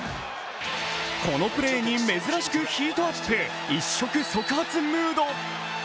このプレーに珍しくヒートアップ、一触即発ムード。